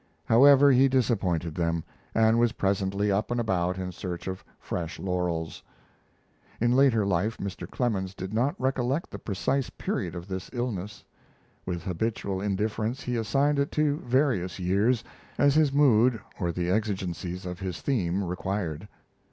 However, he disappointed them, and was presently up and about in search of fresh laurels. [In later life Mr. Clemens did not recollect the precise period of this illness. With habitual indifference he assigned it to various years, as his mood or the exigencies of his theme required.